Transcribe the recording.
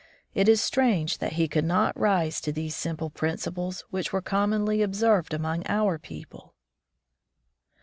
It is strange that he could not rise to these simple principles which were commonly observed among our people.'